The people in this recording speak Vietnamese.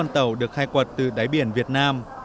tàu được khai quật từ đáy biển việt nam